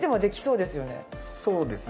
そうですね。